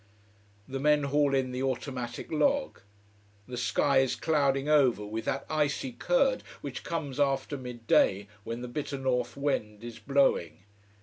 The men haul in the automatic log. The sky is clouding over with that icy curd which comes after midday when the bitter north wind is blowing.